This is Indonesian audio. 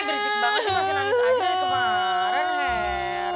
berisik banget sih masih nangis aja dari kemarin